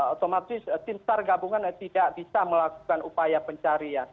otomatis sinstar gabungan tidak bisa melakukan upaya pencarian